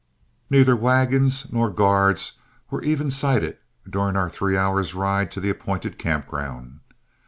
Neither wagons nor guards were even sighted during our three hours' ride to the appointed campground.